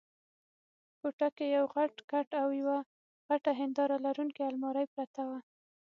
په کوټه کې یو غټ کټ او یوه غټه هنداره لرونکې المارۍ پرته وه.